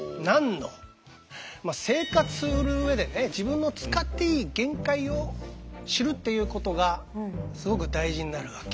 まあ生活する上でね自分の使っていい限界を知るっていうことがすごく大事になるわけ。